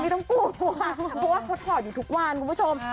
ต้องกลัวกลัวเพราะว่าเขาถอดอยู่ทุกวันคุณผู้ชม